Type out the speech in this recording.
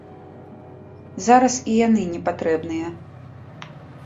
Зараз і яны не патрэбныя.